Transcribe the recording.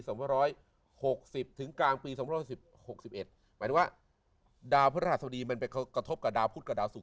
หมายถึงว่าดาวพฤศาธิสวรีมันไปกระทบกับดาวพุธกับดาวศุกร์